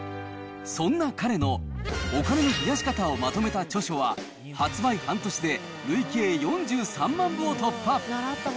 そんな彼のお金の増やし方をまとめた著書は、発売半年で累計４３万部を突破。